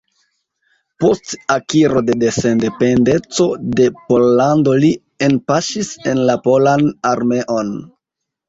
Post akiro de sendependeco de Pollando li enpaŝis en la polan armeon.